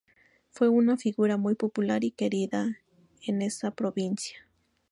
Fue una figura muy popular y querida en esa provincia.